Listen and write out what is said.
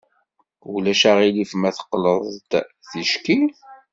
Ulac aɣilif ma teqqleḍ-d ticki?